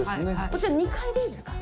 こちら２階でいいんですか？